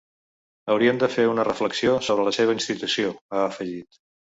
Haurien de fer una reflexió sobre la seva institució, ha afegit.